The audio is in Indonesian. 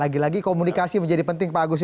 lagi lagi komunikasi menjadi penting pak agus